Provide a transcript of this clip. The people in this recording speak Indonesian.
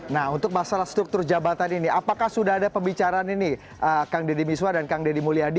nah untuk masalah struktur jabatan ini apakah sudah ada pembicaraan ini kang deddy miswa dan kang deddy mulyadi